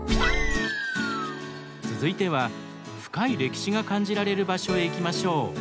続いては深い歴史が感じられる場所へ行きましょう。